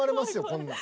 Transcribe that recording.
こんなん。